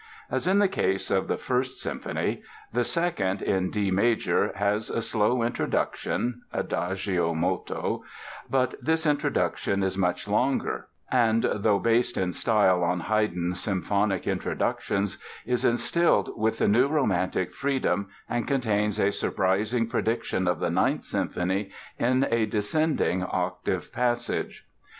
As in the case of the First Symphony, the Second, in D major, has a slow introduction ("Adagio molto"), but this introduction is much longer and, though based in style on Haydn's symphonic introductions, is instilled with the new romantic freedom and contains a surprising prediction of the Ninth Symphony in a descending octave passage.